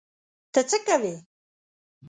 ته څه کوې؟